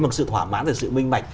một sự thoả mãn một sự minh mạch